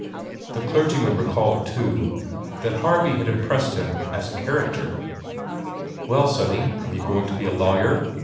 The clergyman recalled, too, that Harvey had impressed him as a character. "Well, sonny, are you going to be a lawyer?"